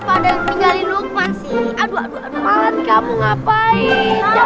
jauh dari rombongan kita